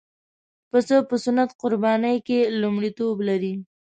پسه په سنت قربانۍ کې لومړیتوب لري.